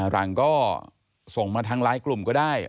หลังก็ส่งมาทางไลน์กลุ่มก็ได้